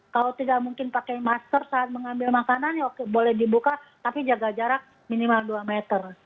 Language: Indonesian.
kalau tidak mungkin pakai masker saat mengambil makanan ya boleh dibuka tapi jaga jarak minimal dua meter